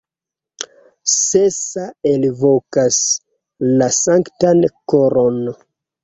Sesa elvokas la Sanktan Koron.